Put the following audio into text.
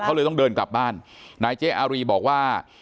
เขาเลยต้องเดินกลับบ้านนายเจ๊อารีบอกว่า